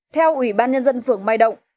theo ủy ban nhân dân phường mai động